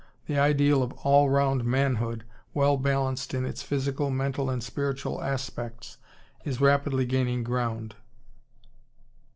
The ideal of all round manhood, well balanced in its physical, mental, and spiritual aspects, is rapidly gaining ground.